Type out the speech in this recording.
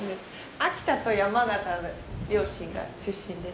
秋田と山形の両親が出身です。